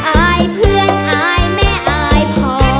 อายเพื่อนอายแม่อายพอ